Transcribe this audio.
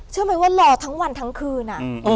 เชื่อไหมว่ารอทั้งวันทั้งคืน